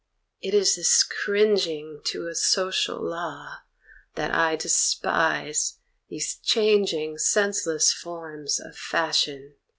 It is this cringing to a social law That I despise, these changing, senseless forms Of fashion!